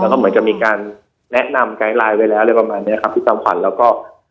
แล้วก็เหมือนจะมีการแนะนำไว้แล้วอะไรประมาณเนี้ยค่ะพี่สามขวัญแล้วก็